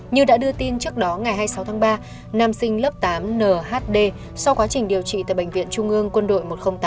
như đã đưa tin trước đó ngày hai mươi sáu tháng ba nam sinh lớp tám nhd sau quá trình điều trị tại bệnh viện trung ương quân đội một trăm linh tám